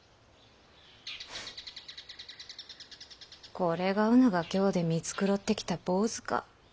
これがうぬが京で見繕ってきた坊主か。